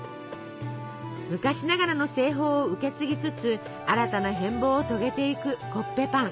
昔ながらの製法を受け継ぎつつ新たな変貌を遂げていくコッペパン。